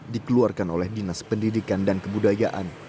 dikeluarkan oleh dinas pendidikan dan kebudayaan